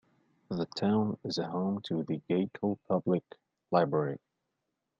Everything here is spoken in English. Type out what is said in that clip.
The town is home to the Gackle Public Library.